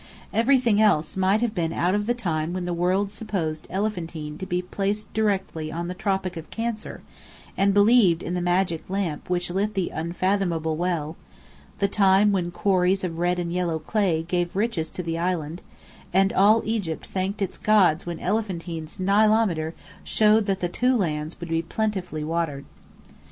Everything else might have been of the time when the world supposed Elephantine to be placed directly on the Tropic of Cancer, and believed in the magic lamp which lit the unfathomable well; the time when quarries of red and yellow clay gave riches to the island, and all Egypt thanked its gods when Elephantine's Nilemeter showed that the Two Lands would be plentifully watered.